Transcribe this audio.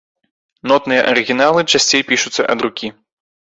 Нотныя арыгіналы часцей пішуцца ад рукі.